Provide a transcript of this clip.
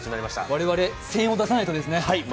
我々、声援を出さないとですね。